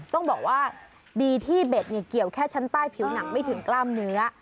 ต้องบอกว่าดีที่เบ็ดเกี่ยวแค่ชั้นใต้ผิวหนังไม่ถึงกล้ามเนื้อ